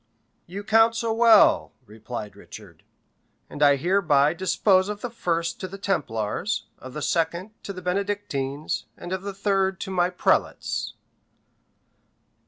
"You counsel well," replied Richard; "and I hereby dispose of the first to the Templars, of the second to the Benedictines, and of the third to my prelates."